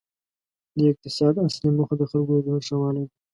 د اقتصاد اصلي موخه د خلکو د ژوند ښه والی دی.